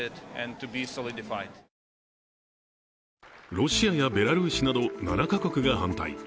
ロシアやベラルーシなど７か国が反対。